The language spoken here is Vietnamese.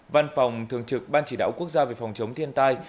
văn phòng thường trực ban chỉ đạo quốc gia về phòng chống thiên tai